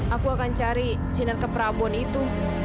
aku akan cari sinar ke prabon itu